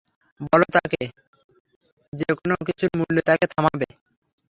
বলো তাকে যে কোন কিছুর মূল্যে তাকে থামাবে?